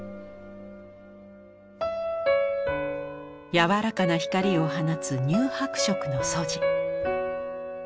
柔らかな光を放つ乳白色の素地。